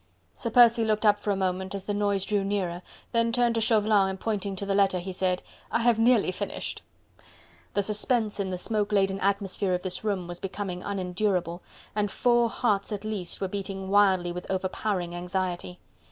Sir Percy looked up for a moment as the noise drew nearer, then turned to Chauvelin and pointing to the letter, he said: "I have nearly finished!" The suspense in the smoke laden atmosphere of this room was becoming unendurable, and four hearts at least were beating wildly with overpowering anxiety.